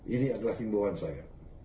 ini adalah himbawan saya